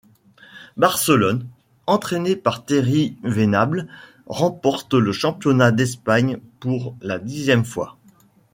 Barcelone, entraîné par Terry Venables, remporte le championnat d'Espagne pour la dixième fois.